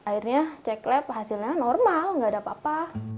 akhirnya cek lab hasilnya normal gak ada apa apa